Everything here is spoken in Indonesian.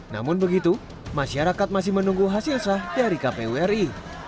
namun begitu masyarakat masih menunggu hasil sah dari kpu ri